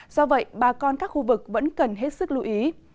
do vậy bà con các khu vực vẫn cần hết sức lưu ý